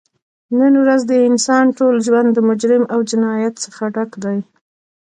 نن ورځ د انسان ټول ژون د جرم او جنایت څخه ډک دی